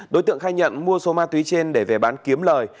đối tượng khai nhận mua số ma túy trên để về bán kiếm lời